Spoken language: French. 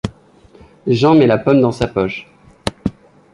Jean met la pomme dans sa poche.